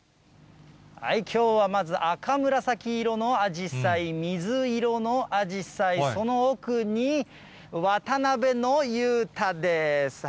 きょうはまず、赤紫色のあじさい、水色のあじさい、その奥に渡辺の裕太です。